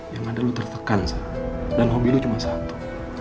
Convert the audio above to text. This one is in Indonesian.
yang ada lo tertekan sa dan hobi lo cuma satu